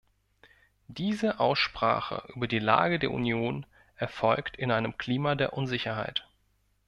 Diese Aussprache über die Lage der Union erfolgt in einem Klima der Unsicherheit.